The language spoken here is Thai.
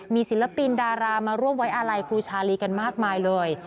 มีศิลปินดารามาร่วมไว้อาลัยครูชาลีกันมากมายเลย